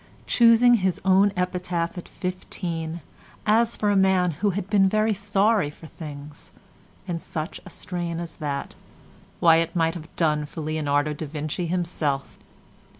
Choosing his own epitaph at fifteen as for a man who "had been very sorry for things," and such a strain as that—why it might have done for Leonardo da Vinci himself.